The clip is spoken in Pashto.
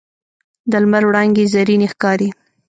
د لمر وړانګې زرینې ښکاري